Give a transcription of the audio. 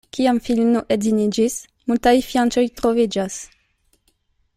Kiam filino edziniĝis, multaj fianĉoj troviĝas.